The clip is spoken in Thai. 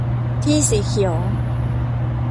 ที่สีเขียว